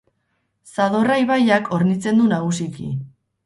Zadorra ibaiak hornitzen du nagusiki.